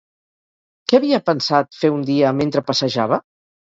Què havia pensat fer un dia mentre passejava?